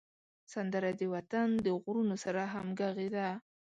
سندره د وطن د غرونو سره همږغي ده